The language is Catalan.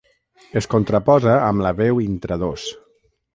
Es contraposa amb la veu intradós.